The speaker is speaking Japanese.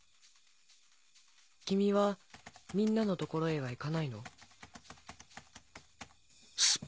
君はみんなの所へは行かないの？